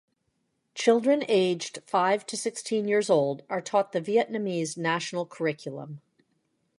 Children aged five to sixteen years old are taught the Vietnamese national curriculum.